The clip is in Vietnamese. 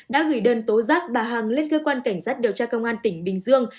đã gửi đơn tố giác bà hằng lên cơ quan cảnh sát điều tra công an tỉnh bình dương